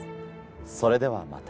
それではまた。